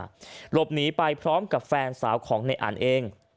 หลบหนีไปพร้อมกับแฟนสาวของในอันเอง